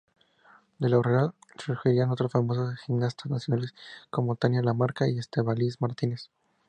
Del Aurrera surgirían otras famosas gimnastas nacionales como Tania Lamarca o Estíbaliz Martínez.